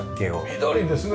緑ですね